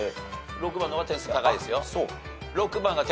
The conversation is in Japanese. ６番が点数高いですよ。